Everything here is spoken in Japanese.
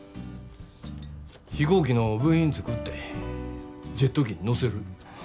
飛行機の部品作ってジェット機に載せる。